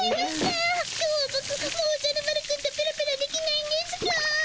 今日はボクもうおじゃる丸くんとペロペロできないんですかぁ？